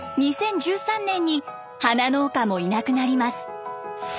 ２０１３年に花農家もいなくなります。